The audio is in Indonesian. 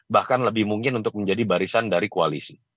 bahkan lebih mungkin untuk menjadi barisan dari koalisi